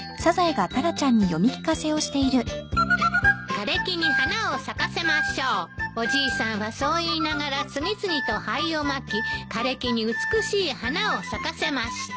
「枯れ木に花を咲かせましょうおじいさんはそう言いながら次々と灰をまき枯れ木に美しい花を咲かせました」